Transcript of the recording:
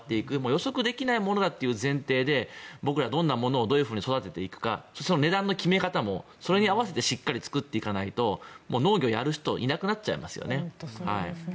予測できないものだという前提で僕ら、どんなものをどう作っていくかその値段の決め方もそれに合わせてしっかり作っていかないと農業をやる人がいなくなっちゃいますよね。